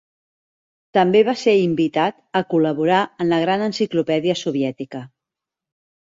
També va ser invitat a col·laborar en la Gran Enciclopèdia Soviètica.